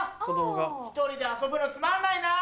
１人で遊ぶのつまんないなぁ。